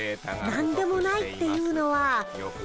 何でもないっていうのは。